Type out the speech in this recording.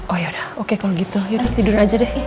oh yaudah oke kalau gitu yaudah tidur aja deh